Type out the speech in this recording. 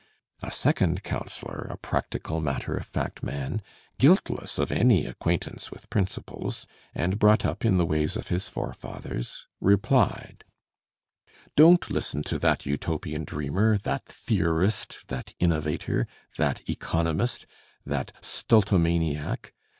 A second counselor, a practical, matter of fact man, guiltless of any acquaintance with principles, and brought up in the ways of his forefathers, replied "Don't listen to that Utopian dreamer, that theorist, that innovator, that economist; that Stultomaniac.